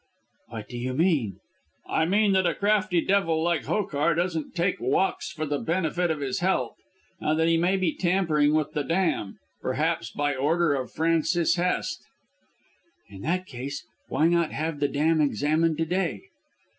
"What do you mean?" "I mean that a crafty devil like Hokar doesn't take walks for the benefit of his health, and that he may be tampering with the dam perhaps by order of Francis Hest." "In that case, why not have the dam examined to day?"